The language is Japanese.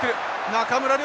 中村亮